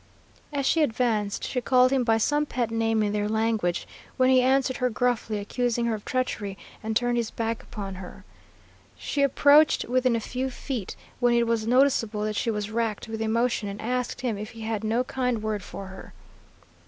"As she advanced, she called him by some pet name in their language, when he answered her gruffly, accusing her of treachery, and turned his back upon her. She approached within a few feet, when it was noticeable that she was racked with emotion, and asked him if he had no kind word for her.